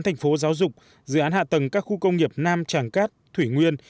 thành phố giáo dục dự án hạ tầng các khu công nghiệp nam tràng cát thủy nguyên